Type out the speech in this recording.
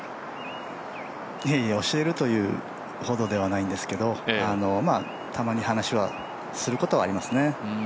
いえいえ、教えるというほどではないんですけどたまに話はすることはありますね。